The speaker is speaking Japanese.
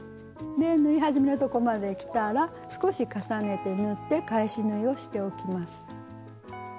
で縫い始めのとこまできたら少し重ねて縫って返し縫いをしておきます。